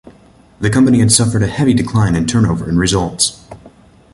The company had suffered a heavy decline in turnover and results.